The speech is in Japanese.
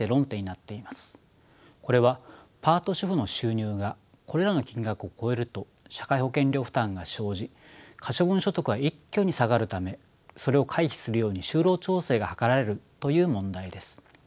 これはパート主婦の収入がこれらの金額を超えると社会保険料負担が生じ可処分所得が一挙に下がるためそれを回避するように就労調整が図られるという問題です。